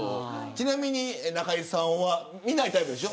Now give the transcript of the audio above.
ちなみに中居さんは見ないタイプでしょ。